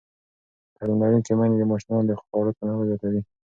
تعلیم لرونکې میندې د ماشومانو د خواړو تنوع زیاتوي.